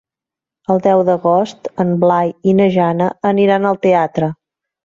El deu d'agost en Blai i na Jana aniran al teatre.